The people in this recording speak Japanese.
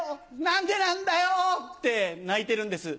何でなんだよ！」って泣いてるんです。